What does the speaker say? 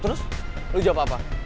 terus lo jawab apa